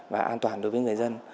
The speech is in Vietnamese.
và an toàn đối với người dân